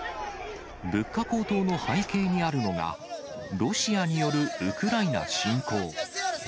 物価高騰の背景にあるのが、ロシアによるウクライナ侵攻。